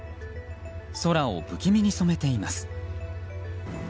空を不気味に染めています。